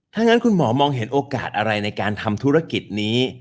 ถ้างั้นคุณหมอมองเห็นโอกาสอะไรในการทำธุรกิจนี้